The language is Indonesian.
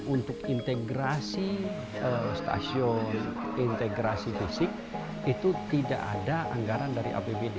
untuk integrasi stasiun integrasi fisik itu tidak ada anggaran dari apbd